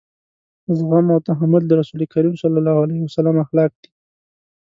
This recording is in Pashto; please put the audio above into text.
زغم او تحمل د رسول کريم صلی الله علیه وسلم اخلاق دي.